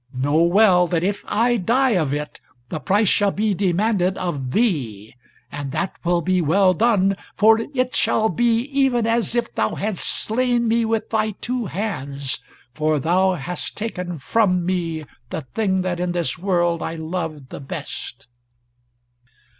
Know well that if I die of it, the price shall be demanded of thee, and that will be well done, for it shall be even as if thou hadst slain me with thy two hands, for thou hast taken from me the thing that in this world I loved the best."